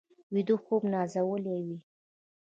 ویده خوب نازولي وي